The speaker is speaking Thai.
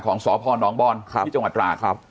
ของสพลบ้อนน์ที่จังหวัดลาครับ